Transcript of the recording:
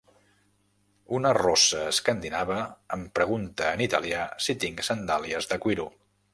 Una rossa escandinava em pregunta en italià si tinc sandàlies de cuiro.